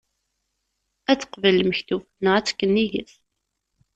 Ad teqbel lmektub, neɣ ad tekk nnig-s?